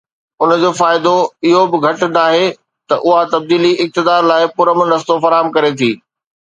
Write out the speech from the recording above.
ان جو فائدو اهو به گهٽ ناهي ته اها تبديلي اقتدار لاءِ پرامن رستو فراهم ڪري ٿي.